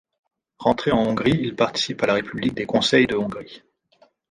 Rentré en Hongrie, il participe à la République des conseils de Hongrie.